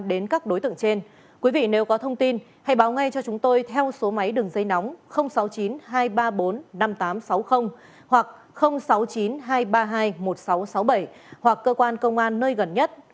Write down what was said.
đến các đối tượng trên quý vị nếu có thông tin hãy báo ngay cho chúng tôi theo số máy đường dây nóng sáu mươi chín hai trăm ba mươi bốn năm nghìn tám trăm sáu mươi hoặc sáu mươi chín hai trăm ba mươi hai một nghìn sáu trăm sáu mươi bảy hoặc cơ quan công an nơi gần nhất